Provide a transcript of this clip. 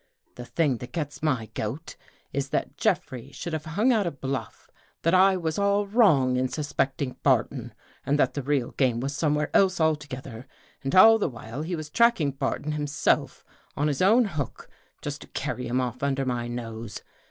The thing that gets my goat Is that Jeffrey should have hung out a bluff that I was all wrong in suspecting Barton and that the real game was somewhere else altogether, and all the while he was tracking Barton himself on his own hook, just to carry him off under my nose.